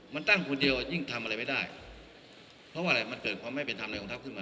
มันตั้งคนเดียวยิ่งทำอะไรไม่ได้เพราะว่าอะไรมันเกิดความไม่เป็นธรรมในกองทัพขึ้นมา